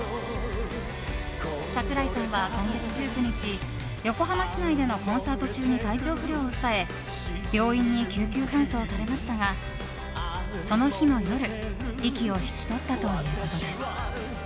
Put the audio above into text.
櫻井さんは今月１９日横浜市内でのコンサート中に体調不良を訴え病院に救急搬送されましたがその日の夜息を引き取ったということです。